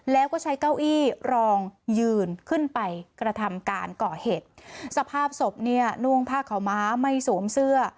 แล้วก็ใช้เก้าอี้รองยืนขึ้นไปกระทำการก่อเหตุสภาพศพเนี่ยนุ่งผ้าขาวม้าไม่สวมเสื้อ